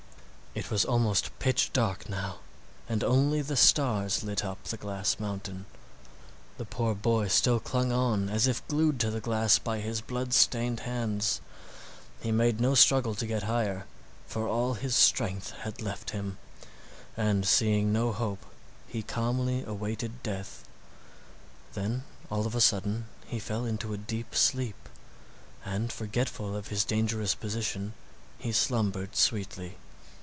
It was almost pitch dark now, and only the stars lit up the glass mountain. The poor boy still clung on as if glued to the glass by his blood stained hands. He made no struggle to get higher, for all his strength had left him, and seeing no hope he calmly awaited death. Then all of a sudden he fell into a deep sleep, and forgetful of his dangerous position he slumbered sweetly.